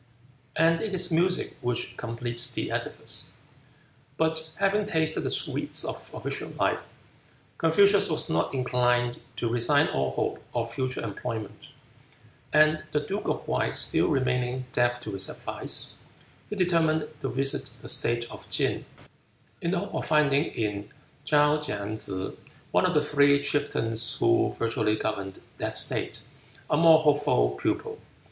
And it is music which completes the edifice." But having tasted the sweets of official life, Confucius was not inclined to resign all hope of future employment, and the duke of Wei still remaining deaf to his advice, he determined to visit the state of Tsin, in the hope of finding in Chaou Keen tsze, one of the three chieftains who virtually governed that state, a more hopeful pupil.